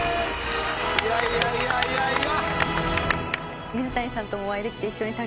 いやいやいやいやいや。